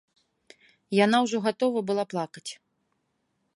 Яна ўжо гатова была плакаць.